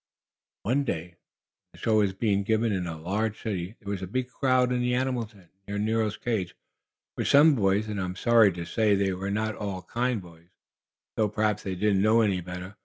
One day, when the show was being given in a large city, there was a big crowd in the animal tent. Near Nero's cage were some boys, and I am sorry to say they were not all kind boys, though perhaps they didn't know any better.